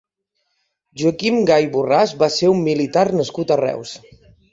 Joaquim Gay Borràs va ser un militar nascut a Reus.